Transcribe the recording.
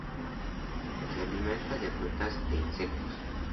Se alimenta de frutas e insectos.